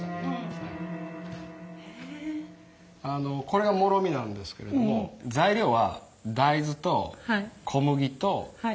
これがもろみなんですけれども材料は大豆と小麦と塩と水。